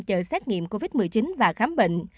chờ xét nghiệm covid một mươi chín và khám bệnh